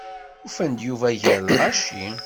Ufan-d Yuba gar lɣaci.